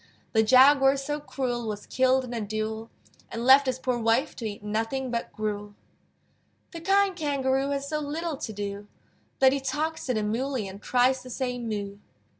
The Jaguar so cruel Was killed in a duel, And left his poor wife To eat nothing but gruel. The kind Kangaroo Has so little to do, That he talks to the Moolly And tries to say "Moo!"